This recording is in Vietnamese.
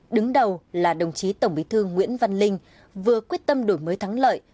đứng đầu là đồng chí tổng bí thư nguyễn văn linh vừa quyết tâm đổi mới thắng lợi